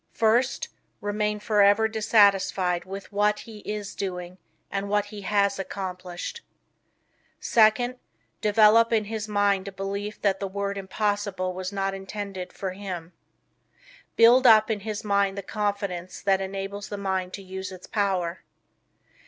First, remain forever dissatisfied with what he IS doing and with what he HAS accomplished. Second, develop in his mind a belief that the word impossible was not intended or him. Build up in his mind the confidence that enables the mind to use its power.